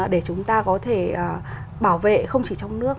để chúng ta có thể bảo vệ không chỉ trong nước